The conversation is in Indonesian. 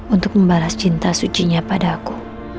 untuk membalas cinta suci nya padaku